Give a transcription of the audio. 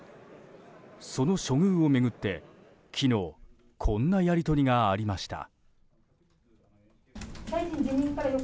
その処遇を巡って、昨日こんなやり取りがありました。